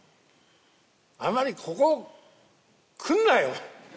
あんまりここ来んなよ！